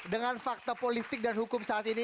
dengan fakta politik dan hukum saat ini